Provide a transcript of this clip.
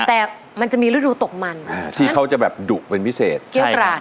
แต่มันจะมีฤดูตกมันที่เขาจะแบบดุเป็นพิเศษใช่ครับเกี้ยวกราด